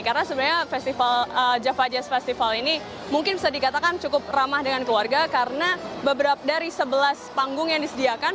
karena sebenarnya festival jaffa jazz festival ini mungkin bisa dikatakan cukup ramah dengan keluarga karena beberapa dari sebelas panggung yang disediakan